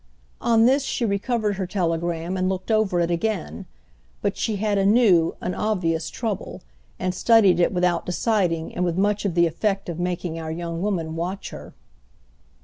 On this she recovered her telegram and looked over it again; but she had a new, an obvious trouble, and studied it without deciding and with much of the effect of making our young woman watch her.